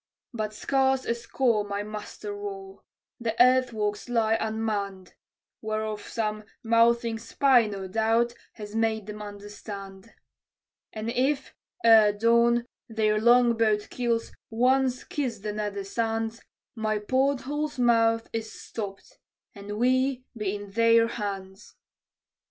"But scarce a score my muster roll; the earthworks lie unmanned (Whereof some mouthing spy, no doubt, has made them understand); "And if, ere dawn, their long boat keels once kiss the nether sands, My every port hole's mouth is stopped, and we be in their hands!"